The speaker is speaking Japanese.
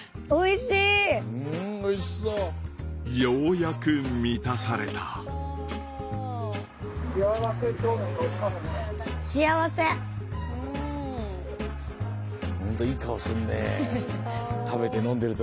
ようやく満たされたホントいい顔すんね食べて飲んでる時。